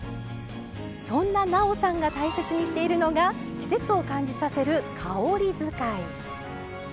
そんななおさんが大切にしているのが季節を感じさせる「香り使い」。